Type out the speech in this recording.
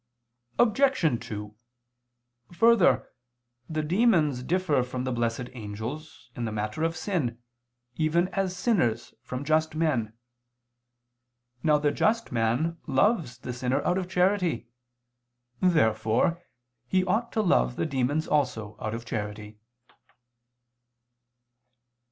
Obj. 2: Further, the demons differ from the blessed angels in the matter of sin, even as sinners from just men. Now the just man loves the sinner out of charity. Therefore he ought to love the demons also out of charity.